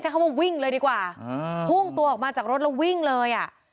คำว่าวิ่งเลยดีกว่าพุ่งตัวออกมาจากรถแล้ววิ่งเลยอ่ะ